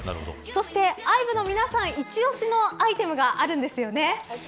そして、ＩＶＥの皆さん一押しのアイテムがあるんですよね。